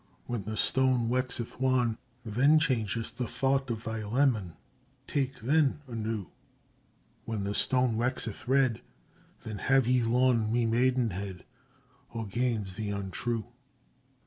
When the ston wexeth wan Than chaungeth the thought of thi leman, Take than a newe. When the ston wexeth rede, Than have Y lorn mi maidenhed, Oghaines the untrewe.